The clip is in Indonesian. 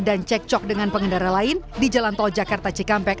dan cekcok dengan pengendara lain di jalan tol jakarta cikampek